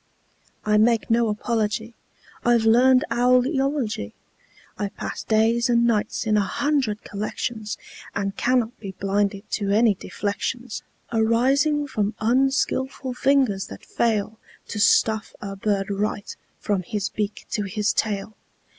I make no apology; I've learned owl eology. I've passed days and nights in a hundred collections, And cannot be blinded to any deflections Arising from unskilful fingers that fail To stuff a bird right, from his beak to his tail.